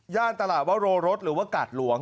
แย่นตลาดโรโรสหรือว่าก่าดหลวง